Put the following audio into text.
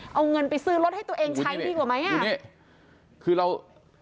เอาเงินไปซื้อรถให้ตัวเองใช้ดีกว่าไหม